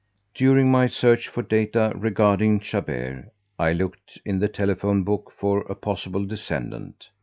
During my search for data regarding Chabert I looked in the telephone book for a possible descendant.